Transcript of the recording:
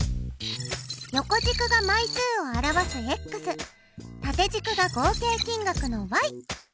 横軸が枚数を表す縦軸が合計金額の。